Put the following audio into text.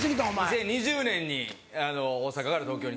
２０２０年に大阪から東京に。